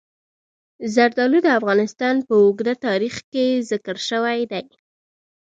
زردالو د افغانستان په اوږده تاریخ کې ذکر شوی دی.